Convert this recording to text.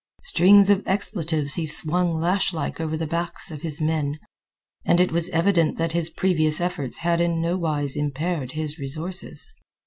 Strings of expletives he swung lashlike over the backs of his men, and it was evident that his previous efforts had in nowise impaired his resources.